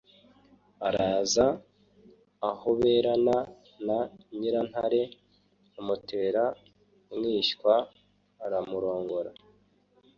araza ahoberana na nyirantare, amutera umwishywa, aramurongora.